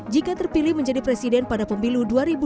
jika terpilih menjadi presiden pada pemilu dua ribu dua puluh